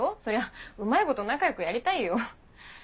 そりゃうまいこと仲良くやりたいよ。